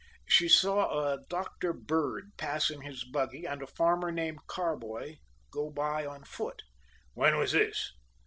"She saw a Doctor Bird pass in his buggy and a farmer named Carboy go by on foot." "When was this?"